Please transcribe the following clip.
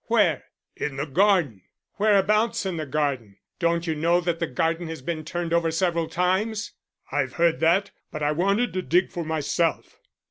"Where?" "In the garden." "Whereabouts in the garden? Don't you know that the garden has been turned over several times?" "I've heard that, but I wanted to dig for myself."